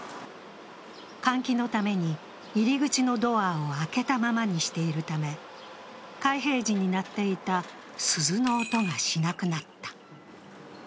換気のために入り口のドアを開けたままにしているため、開閉時に鳴っていた鈴の音がしなくなった。